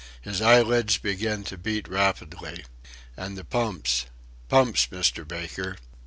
His eyelids began to beat rapidly. "And the pumps pumps, Mr. Baker."